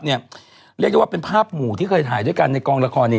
เรียกได้ว่าเป็นภาพหมู่ที่เคยถ่ายด้วยกันในกองละครเนี่ย